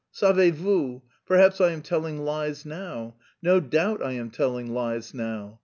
Savez vous... perhaps I am telling lies now; no doubt I am telling lies now.